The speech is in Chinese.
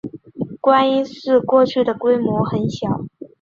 观音寺过去的规模很小。